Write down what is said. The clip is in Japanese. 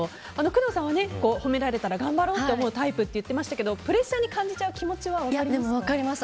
工藤さんは褒められたら頑張ろうと思うタイプと言っていましたけどプレッシャーに感じちゃうでも分かります。